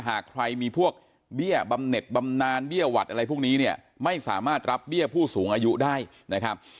หากใครมีพวกเบี้ยบำเน็ตบำนานเบี้ยหวัดอะไรพวกนี้เนี่ยไม่สามารถรับเบี้ยผู้สูงอายุได้นะครับ